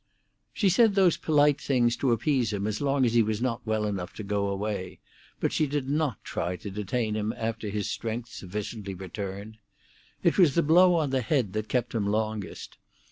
She said those polite things to appease him as long as he was not well enough to go away, but she did not try to detain him after his strength sufficiently returned. It was the blow on the head that kept him longest.